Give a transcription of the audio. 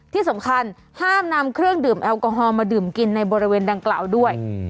ที่สำคัญห้ามนำเครื่องดื่มแอลกอฮอลมาดื่มกินในบริเวณดังกล่าวด้วย